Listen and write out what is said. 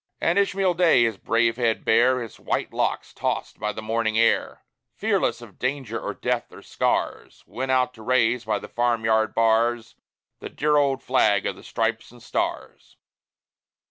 And Ishmael Day, his brave head bare, His white locks tossed by the morning air, Fearless of danger, or death, or scars, Went out to raise by the farm yard bars The dear old flag of the stripes and stars.